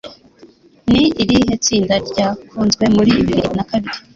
Ni irihe tsinda ryakunzwe muri bibiri na kabiri